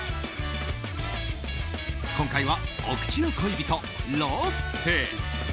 今回は、お口の恋人ロッテ。